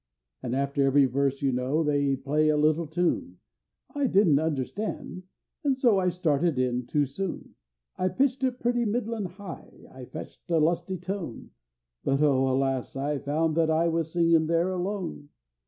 An' after every verse, you know, They play a little tune; I didn't understand, an' so I started in too soon. I pitched it pretty middlin' high, I fetched a lusty tone, But oh, alas! I found that I Was singin' there alone!